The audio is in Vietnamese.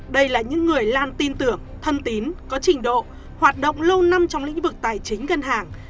đây là những người lan tin tưởng thân tín có trình độ hoạt động lâu năm trong lĩnh vực tài chính ngân hàng